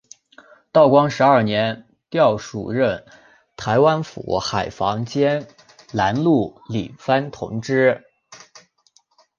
道光十二年调署任台湾府海防兼南路理番同知。